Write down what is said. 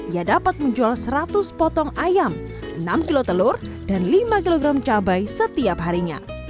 ia dapat menjual seratus potong ayam enam kilo telur dan lima kg cabai setiap harinya